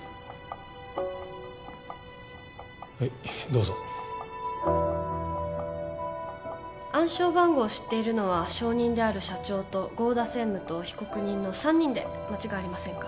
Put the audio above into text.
はいどうぞ暗証番号を知っているのは証人である社長と剛田専務と被告人の３人で間違いありませんか？